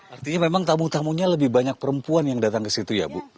artinya memang tamu tamunya lebih banyak perempuan yang datang ke situ ya bu